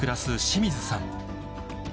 清水さん